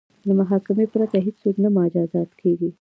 له محاکمې پرته هیڅوک نه مجازات کیږي.